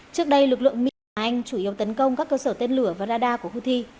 trước đây lực lượng mỹ và anh chủ yếu tấn công các cơ sở tên lửa và radar của houthi